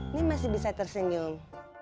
ini masih bisa tersenyum